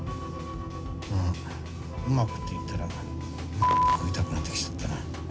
あっ、「うまく」って言ったら食いたくなってきちゃったな。